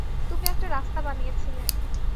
তুমি একটা রাস্তা বানিয়েছিলে।